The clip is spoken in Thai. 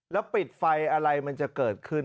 แล้วปิดไฟอะไรมันจะเกิดขึ้น